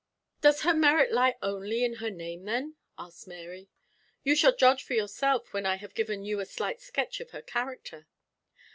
"Does her merit lie only in her name then?" asked Mary. "You shall judge for yourself when I have given you a slight sketch of her character.